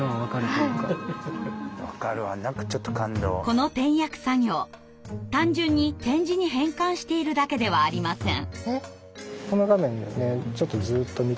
この点訳作業単純に点字に変換しているだけではありません。